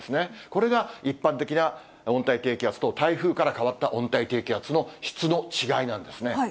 これが一般的な温帯低気圧と台風から変わった温帯低気圧の質の違いなんですね。